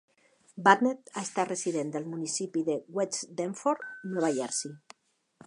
Wagner ha estat resident del municipi de West Deptford, Nova Jersey.